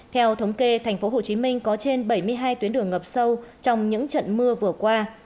theo thống kê tp hcm có trên bảy mươi hai tuyến đường ngập sâu trong những trận mưa vừa qua